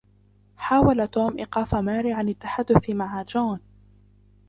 حاول توم إيقاف ماري عن التحدث مع جون.